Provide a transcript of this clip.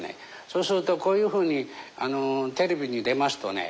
そうするとこういうふうにテレビに出ますとね